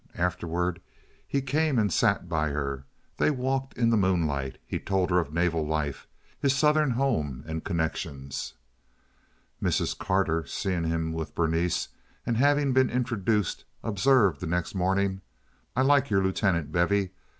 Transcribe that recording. Afterward he came and sat by her; they walked in the moonlight, he told her of naval life, his Southern home and connections. Mrs. Carter, seeing him with Berenice, and having been introduced, observed the next morning, "I like your Lieutenant, Bevy.